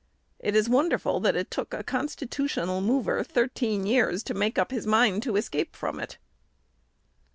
It is wonderful that it took a constitutional mover thirteen years to make up his mind to escape from it.